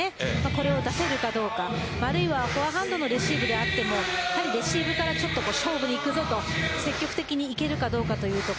これを出せるかどうかあるいはフォアハンドのレシーブから勝負に行くぞという積極的にいけるかどうか。